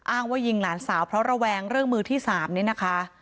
อ้างว่ายิงหลานสาวเพราะระแวงเรื่องมือที่๓นี่นะคะ